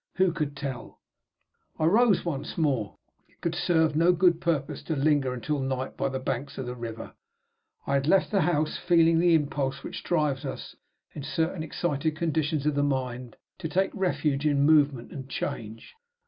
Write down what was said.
Who could tell? I rose once more. It could serve no good purpose to linger until night by the banks of the river. I had left the house, feeling the impulse which drives us, in certain excited conditions of the mind, to take refuge in movement and change.